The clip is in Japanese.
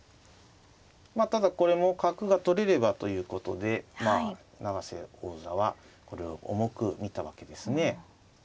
ただこれも角が取れればということでまあ永瀬王座はこれを重く見たわけですね。